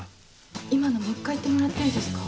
今のもう一回言ってもらっていいですか？